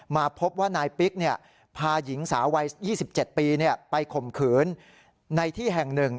มาพบว่านายปิ๊กพาหญิงสาววัย๒๗ปีไปข่มขืนในที่แห่งหนึ่ง